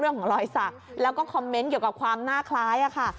เรื่องหลอยสักแล้วก็คอมเม้นท์เกี่ยวกับความน่าคล้ายอ่ะค่ะ